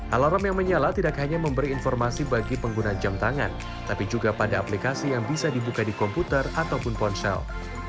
alarm yang menyala tidak hanya memberi informasi bagi pengguna jam tangan tapi juga pada aplikasi yang bisa dibuka di komputer ataupun ponsel